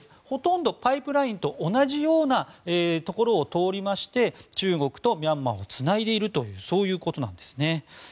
ほとんどパイプラインと同じようなところを通りまして中国とミャンマーをつないでいるというそういうことなんですね。